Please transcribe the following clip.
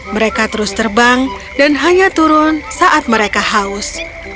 mereka terus terbang dan hanya turun saat mereka haus